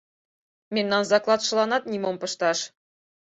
— Мемнан закладшыланат нимом пышташ.